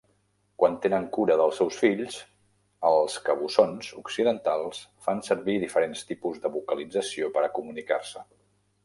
Quan tenen cura del seus fills, els cabussons occidentals fan servir diferents tipus de vocalització per a comunicar-se.